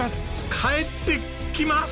帰ってきます！